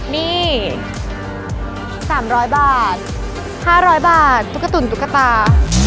นี่๓๐๐บาท๕๐๐บาทตุ๊กตุ๋นตุ๊กตา